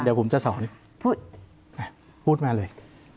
เดี๋ยวผมจะสอนพูดมาเลย